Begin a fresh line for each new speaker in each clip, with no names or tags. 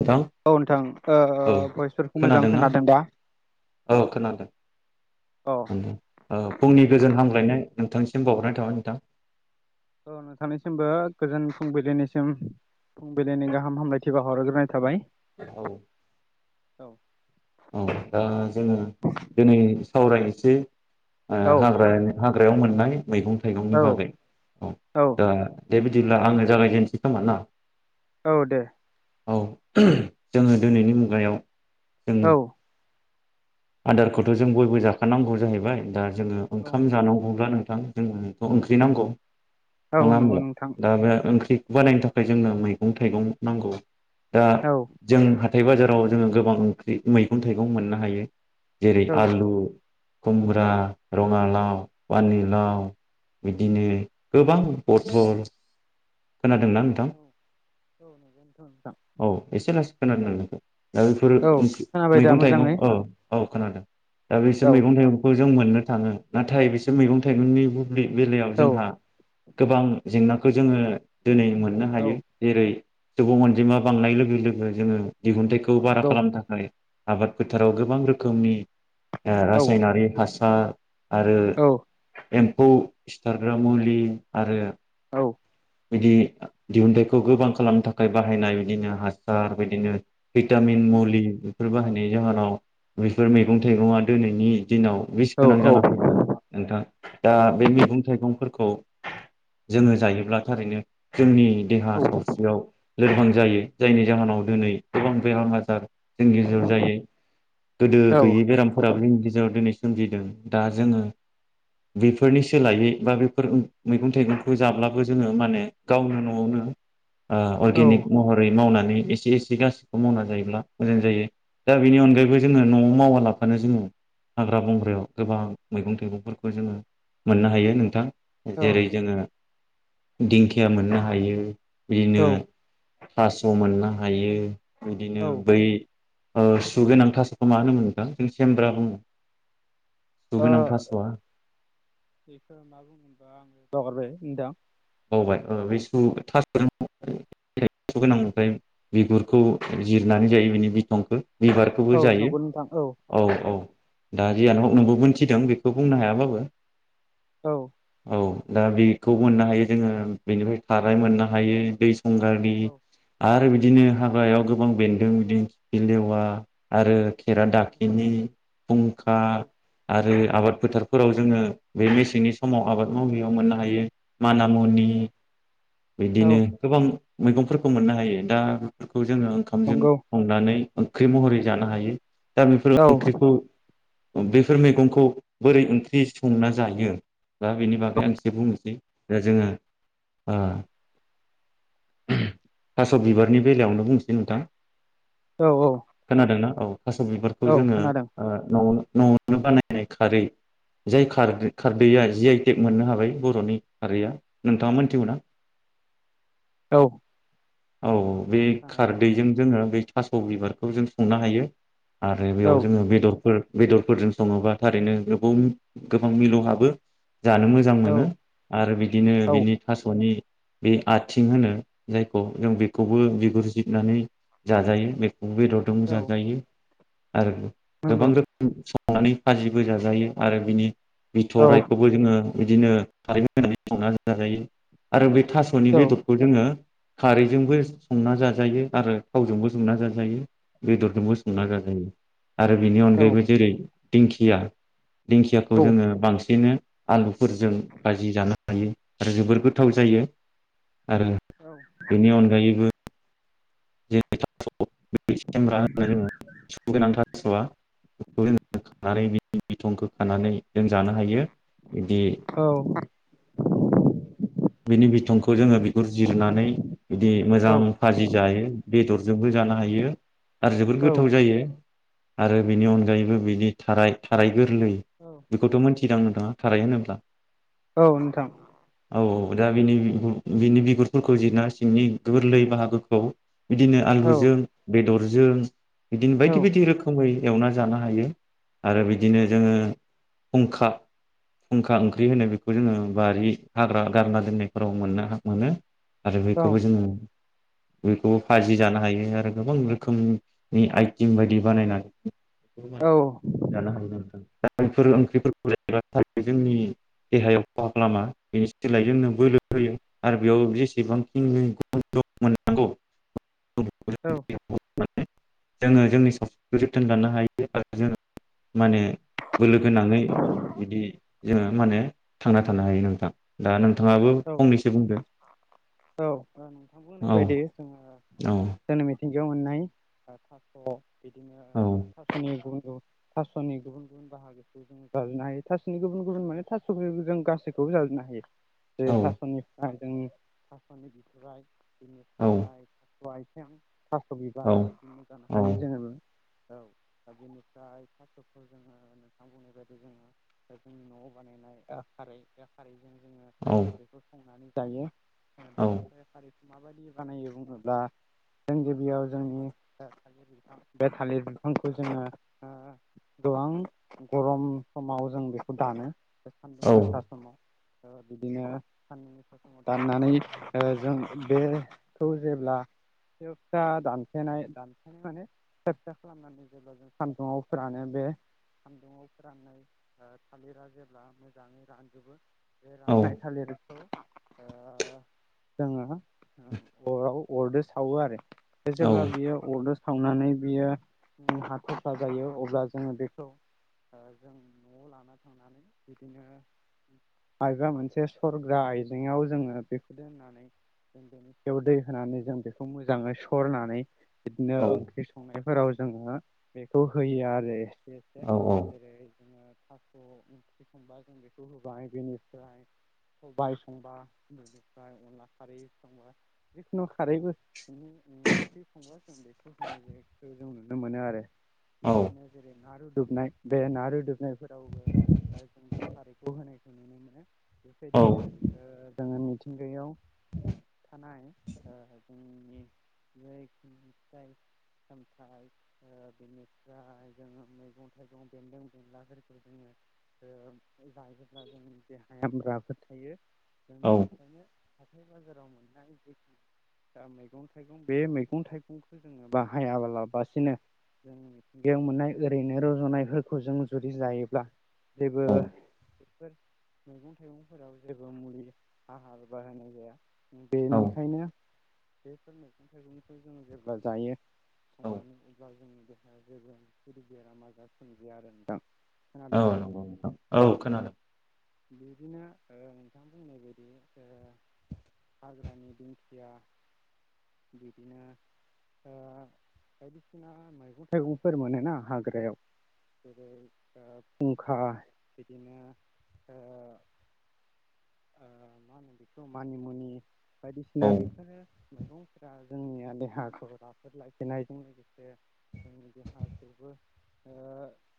नोंथां
औ नोंथां ओ
औ
भइसफोरखौ मोजां
खोनादोंना?
खोनादों दा
औ खोनादों
औ
औ फुंनि गोजोन हामग्लायनाय नोंथांसिम बावहरनाय थाबाय नोंथां।
औ नोंथांनिसिमबो गोजोन फुंबिलिनिसिम फुं बिलिनि गाहामलायथि बा हर ग्रोनाय थाबाय।
औ
औ
औ दा जोङो दिनै सावरायनोसेै
औ
हाग्रा हाग्रायाव मोननाय मैगं थाइगंनि
औ
बागै औ दा दे बिदिब्ला आङो जागायजेननोसै खोमा ना
औ दे।
औ जोङो दिनैनि मुगायाव जों
औ।
आदारखौथ' जों बयबो जाखानांगौ जाहैबाय दा जोङो
औ
ओंखाम जानांगौब्ला नोंथ थां जोंथ' ओंख्रि नांगौ
औ
नङा
नंगौ
होमब्ला
नोंथां
दा बे ओंख्रि बानायनो थाखाय जोंनो मैगं थाइगं नांगौ। दा
औ
जों हा हाथाय बाजाराव जोङो गोबां ओंख्रि मैगं थाइगं मोननो हायो। जेरै
औ
आलु खुमब्रा रङालाव फानिलाव बिदिनो गोबां बथल खोनादोंना नोंथां
औ नंगौ नोंथां नोंथां
औ एसे लासै खोनादों नोंनिखौ। दा बेफोरो
औ खोनाबाय दा
मैगं थाइगं
मोजाङै
औ। औ खोनादों। दा बेसोर
औ
मैगं थाइगंखौ जों मोननो थाङो नाथाय बिसोर मैगं थाइगंनि बे बेलायाव
औ
जोंहा गोबां जेंनाखौ जोङो दिनै मोननो
औ
हायो जेरै सुबुं अनजिमा बांनाय लोगो लोगो जोङो दिहुनथाइखौ बारा
नंगौ
खालामनो थाखाय आबाद फोथाराव गोबां रोखोम खोमि
औ
रासायनारि हास दा आरो
औ
एम्फौ सिथारग्रा मुलि आरो
औ
बिदि दिहुनथाइखौ गोबां खालामनो थाखाय बाहायनाय बिदिनो हासार बिदिनो भिटामिन मुलि बेफोर बाहायनाय जाहोनाव बेफोर मैगं थाइगं दिनैनि दिनाव बिस
औ
गोनां जाना फैबाय नोंथां दा बे मैगं थाइगं खौ जोङो जायोब्ला थारैनो जोंनि देहा सावस्रियाव लोरबां जायो जायनि जाहोनाव दिनै गोबां बेरां आजार जों गेजर जायो गोदो
औ
गैयै बेरामफोराबो जोंनि गेजेराव दिनैम सोमजिदों दा जोङो बेफोरनि सोलायै बा बेफोर मैगं थाइगंखौ जाब्लाबो जोङो माने गावनो न'आवनो अर्गेनिक महरै मावनानै गखौ जायो मोां जायो दा बेनि अनायैबो जोङो न'आव मावालाबानो जोङो हाग्रा बंग्रायाव गोबां मैगं थाइगंफोरखौ जोङो मोननो हायो नोंथां जेरै जोङो दिंखिया मोननो हायो बिदिनो फास्स' मोननो हायो बिदिनो
औ ओ
बै सुगोन थास खौ मा होनोम मोनदों जों सेमब्रा दङ
बेफोर होनना बुंङोनबा आङो बाउगारबाय नोथां
बावबाय बे थास' थ' गोनां ओमफ्राय बिगुरखौ जिरनानै जायो बिनि बिसंखौ बिबारखौबो
औ
जायो
नंगौ नोंथां औ
औ औ दा जिय न हक नोंबो मिथिदों बेखौ बुंनो हायाबाबो
औ
औ दा बेखौ मोननो हायो। जोङो बेनिफ्राय खाराय मोननो हायो दै
औ
[unintelligible] बिदिनो हाग्रायाव गोबां बेन्दों बिदिनो खिलेवा आरो खेरा दाखलिनि फुंखा
औ
आरो आबाद फोथारफोराव जोङो बे मेसेंनि समाव आबाद मावनाययाव मोननो हायो माना मुनि नि
औ
बिदिनो गोबां मैगंफोरखौ मोननो हायो दा बेफोरखौ बेखौ जोङो ओंखामजों
नंगौ
संनानै ओंख्रि महरै जानो हायो दाबेफोर
औ
ओंख्रिखौ बेफोर मैगंखौ बोरै ओंख्रि संना जायो दा बेनि बागै आं एसे बुंनोसै दा जोङो ओ थास' बिबारनि बेलायावनो बुंसै नोंथां।
औ औ
खोनादोंना औ थास' बिबारखौ
औ
जोङो
खोनादों
ओ न'आवनो न'आवनो बानायनाय खारै जाय खारदैआ जि आइ टेक मोननो हाबाय बर'नि खारैया नोंथाङा मोनथिगौना?
औ
औ औ बे
खोनायो
खारदैजों जोङो बै थास' बिबारखौ जों संनो हायो। आरो
औ
बेयाव जोङो बेदरफोर बेदरफोरजों सङोबा थारैनो गोबाव गोबां मिलौ हाबो। जानो मोजां
औ
मोनो आरो बिदिनो
औ
बिनि थास'नि बे आ सिं होनो जायखौ जों बेखौबो बिगुर सिबनानै जाजायो बे बेेदरजों बो
औ
जाजायो आरो गोबां
नंगौ
रोखोम नानै फाजिबो जाजायो आरो बिनि
औ
बिथ'राइखौबो जोङो बिदिनो खारै होनानै संनानै जाजायो आरो बे थास'नि बेदर खारैजोंबो संना जाजायो आरो थावजोंबो संना जाजायो। बेदरजोंबो संना जाजायो। आरो बेनि अनगायैबो जेरै दिंखिया
औ
दिंखियाखौ जोङो बांसिनै आलुफोरजों बाजि जानो हायो आरो जोबोर गोथाव जायो। आरो बेनि अनगायैबो [unintelligible] [unintelligible] थास'आ बिथं गोनांखौ खानानै बिनि बिथंखौ खानानै जों जानो हायो। बिदि
औ
बिनि बिथंखौ जोङो - बिगुर जिरनानै बिदि मोजां फाजि जायो बेदरजोंबो जानो हायो आरो जोबोद गोथाव जायो। आरो बिनि अनगायैबो बिनि थाराय थाराय गोरलै बेखौथ' मोनथि गोदां नोंथाङा थाराय होनोब्ला
औ नोंथां
औ औ दा बिनि बिनि बिगुरफोरखौ जिरना सिंनि गोरलै बाहागोखौ बिदिनो
औ
आलुजों बेदरजों जों बिदिनो
औ
बायदि बायदि रोखोमै एवना जानो हायो आरो बिदि बिदिनो जोङो फुंखा फुंखा ओंख्रि होनो बेखौ जोंङो बारि हाग्रा गारना दोननायफोराव मोननो हा मोनो आरो बेखौबो जोंङो बेखौबो फाजि जानो हायो आरो गोबां रोखोमनि नि आइटिम बायदि बानायना - जानो हागोन नोंथां दा बेफोर
औ
ओंख्रिफोरखौ नाथाय जोंनि देहायाव खहा खालामा। बेनि सोलाय जोंनो बोलो होयो आरो बेयाव जेसेबांखिनिखौथ' मोननांगौ
औ
[unintelligible] [unintelligible] दानों थाङाबो फंनैसो बुंदों।
औ नोंथां बुंनाय बायदि जोङो।
औ
जोंनि मिथिंगायाव मोननाय थास'‌ बिदिनो थास'नि थास'नि गुबुन गुबुन बाहागोखौ जों जाजोबनो हायो थास'नि गुबुन गुबुन माने थास' जों गासैखौबो जाजोबनो हायो। बे थास'नि जोंनि [unintelligible] [unintelligible] [unintelligible] खास' बिबार बिदिनो जानो हायो जोङो औ दा बेनिफ्राय फार्ट अफल जोङो नोंथां बुंनि बायदि जोङो जोंनि न'आव बानायनाय खारै खारै जोङो बेखौ संनानै जायो बिनिफ्राय माबायदि बानायो बुङोब्ला सान्दुं गोसा समाव बिदिनो साननै सानथामाव दाननानै जों बेखौ जेब्ला सेबसा दानफेनाय दानफनाय माने सेबसा खालामनानै जेब्ला जों सान्दुंआव फोरानो बे सान्दुंआव फोराननाय थालिरा जेब्ला मोजाङै रानजोबो बे राननाय थालिर जोङो अराव अरदो सावो आरो। एसे जेब्ला बियो अरजों सावनानै बियो हाथफ्ला जायो अब्ला जोङो बेखौ जों न'आव लाना थांनानै बिदिनो मायबा मोनसे सरग्रा आइजेेंआव जोङो बेखौ दोननानै जों बेनि सायाव दै होनानै जों बेखौ मोजाङै सरनानै बिदिनो ओंख्रि संनाय फोराव जोङो बेखौ होयो आरो। एसे जेरै थास' ओंख्रि संबा जों बेखौ होबाय बेनिफ्राय सबाय संबा फ्राय अनला खारै संबा जिखुनु खारै ओंख्रि संबा जों बेखौ होनाय जखौ जों नुनो मोनो आरो बिदिनो जेरै नारु दुबनाय बे ना रुदुबनायफोरावबो जों बे खारैखौ होनायखौ नुनो मोनो बेबायदिनो जोङो मिथि मिथिंयाव थानाय जोंनि जेरै फिथाइ सामथाइ बेनिफ्राय जोङो मैगं थाइगं बेन्दों बेनलाफोरखौ जोङो जायोब्ला जोंनि देहाया राफोर थायो। [unintelligible] हाथाय बाजाराव मोननाय जेखि दा मैगं थाइगं बे मैगं थाइगंखौ जोङो बाहायाबालासिनो जों मिथिंगायाव मोननाय ओरैनो रज'नायफोरखौ जों जुदि जायोब्ला जेबो बेफोर मैगं थाइगंफोराव जेबो मुलि हाहार बाहायनाय जाया। बेनिखायनो बेफोर मैगं थाइगंखौ जों जेब्ला जायो संनानै अब्ला जोंनि देहाया जेबो बेराम आजार सोमजिया आरो नोंथां
औ
खोनादोंना?
नंगौ नोंथां औ खोनादों।
बिदिनो नोंथां बुंनाय बायदि ओ हाग्रानि दिंखिया बिदिनो ओ बायदिसिना मैगं थाइगंफोर मोनोना हाग्रायाव जेरै फुंखा बिदिनो ओ ओ मा होनो बेखौ मानिमुनि
औ
बायदिसिना बेफोरो मैगंफोरा जोंनिया देहाखौ राफोद लाखिनायजों लोगोसे जोंनि देहाखौबो ओ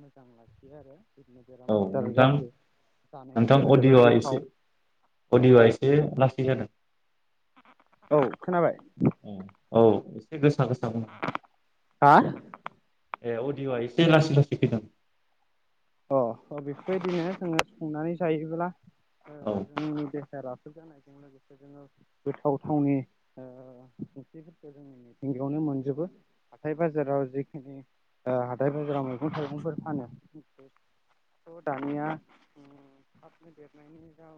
मोजां लाखियो आरो जेबो बेराम
औ
आजार
नोंथां
जाहो
नोंथां
जानायावबो जोबोद
अदिय'आ एसे
गोथाव
अडिय'आ एसे लासै जादों
औ खोनाबाय
औ [unintelligible]
हा अ
[unintelligible] ए अदिअ'आ एसे लासै लासै फैदों।
अ अ बेफोरबायदिनो जोङो संनानै जायोबोला
औ
[unintelligible] जानायजों लोगोसे जोङो गोथाव थावनि ओ ओंख्रिफोरखौ जोंनि मिथिंगयावनो मोनजोबो हाथाय बाजाराव जेखिनि ओ हाथाय बाजाराव मैगं थाइगंफोर फानो थ' दानिया ओ थाबनो देरनायनि जा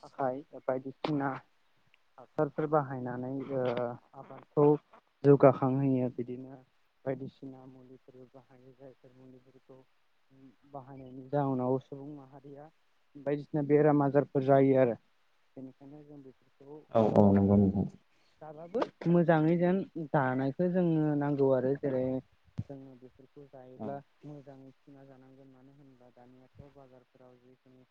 थाखाय बायदिसिना हासारफोर बाहायनानै ओ आबादखौ जौगाखांहोयो बिदिनो बायदिसिना मुलिफोर बाहायो जायफोर मुलिफोरखौ बाहायनायनि जाहोनाव सुबुं माहारिया बायदिसिना बेराम आजारफोर जायो आरो बेनिखायनो जों बे खौ
औ औ
ओ
नंगौ नोंथां
जाबाबो मोजाङै जेन जानायखौ जोंनो नांगौ आरो जेरै जोङो बेफोर खौ जायोब्ला मोजाङै [unintelligible] जानांगोन मानो होनोब्ला दानियाथ' बाजारफोराव जिखिनि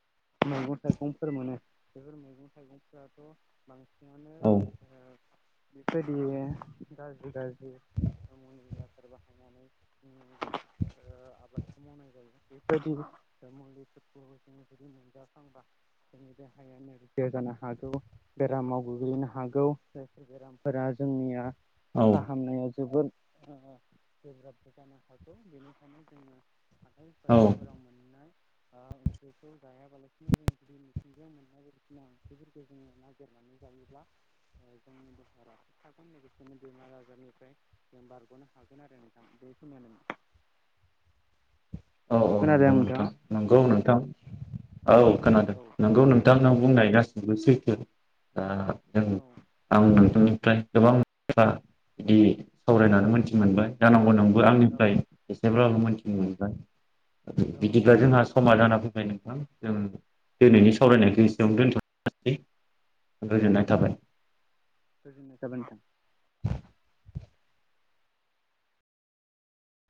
मैगं थाइगंफोर मोनो बेफोर मैगं थाइगंफोराथ' बांसिन मोनो
औ
ओ बेफोरबायदिनो गाज्रि गाज्रि [unintelligible] बाहायनानै उम मावनाय जायो बेबायदि मुलिफोरखौ जोङो जुदि मोनजाफ्लांबा जोंनि देहाया नोरजिया जानो हागौ बेरामाव गोग्लैनो हागौ जायफोर बेरामफोरा जोंनिया
औ
फाहामनाया जोबोद ओ गोब्राबबो जानो हागौ बेनिखायनो जोङो हाथाइ
औ
बाजारफोराव मोननाय ओंख्रिखौ जायाबालासिनो जों जुदि मिथिंगायाव मोननाय बायदिसिना ओंख्रिफोरखौ जोङो नागिरनानै जायोब्ला जोंनि देहाया राफोद थागोन लोगोसेनो बेमार आजारनिफ्राय जों बारग'नो हागोन आरो नोंथां बेखिनियानो
औ औ
खोनादों
नंगौ
नोंथाङा?
नोंथां नंगौ नोंथां। औ खोनादों
औ
नोंगौ नोंथांनाव, बुंनाय गासिनोबो सैथो दा,
औ
[unintelligible] ओमफ्राय गोबां बाथ्रा बिदि,
औ
सावरायनानै मोन्थि मोनबाय, जानांगौ नों
औ
आंनिफ्राय एसेब्लाबो मोनथि [unintelligible]
औ
बिदिब्ला
नोंथां
जोंहा समा जाना [unintelligible] नोंथां जों
औ
दिनैनि सावरायनायखो एस जों दोनथ'निसै
औ गोजोननाय थाबाय नोंथां,